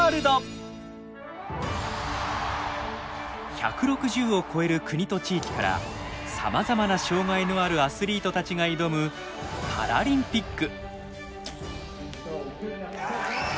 １６０を超える国と地域からさまざまな障害のあるアスリートたちが挑むパラリンピック。